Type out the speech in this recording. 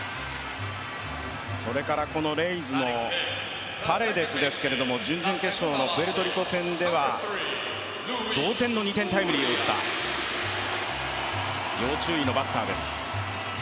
レイズのパレデスですけれども、準々決勝のプエルトリコ戦では同点の２点タイムリーを打った要注意のバッターです。